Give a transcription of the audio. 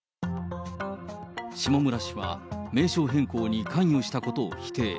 下村氏は、名称変更に関与したことを否定。